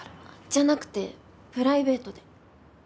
じゃなくてプライベートで。